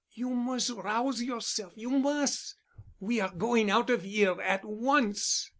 "You mus' rouse yourself—you mus'! We are going out of here—at once."